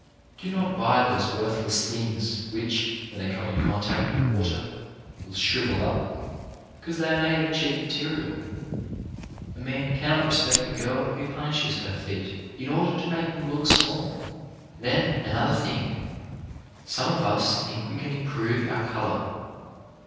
Do not buy those worthless things, which, when they come in contact with water, will shrivel up because they are made of cheap material. A man cannot respect a girl who punishes her feet in order to make them look small. Then, another thing. Some of us think we can improve our colour.